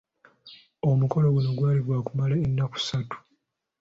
Omukolo guno gwali gwa kumala enaku satu.